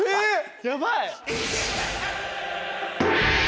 やばい！